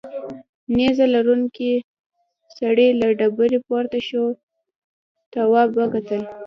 نیزه لرونکی سړی له ډبرې پورته شو تواب وکتل.